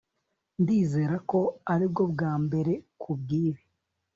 ndizera ko aribwo bwa mbere kubwibi